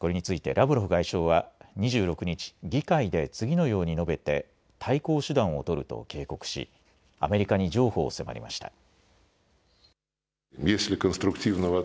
これについてラブロフ外相は２６日議会で次のように述べて対抗手段をとると警告しアメリカに譲歩を迫りました。